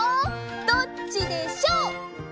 どっちでしょう！